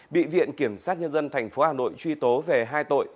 bị viện kiểm sát nhân dân tp hà nội truy tố về hai tội